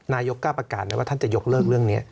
นายกกล้าประกาศไหมว่าท่านจะยกเลิกเรื่องนี้